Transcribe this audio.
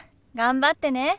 頑張ってね。